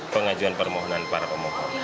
pengajuan permohonan para pemohon